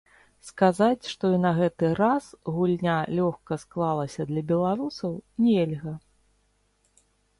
Сказаць, што і на гэты раз гульня лёгка склалася для беларусаў, нельга.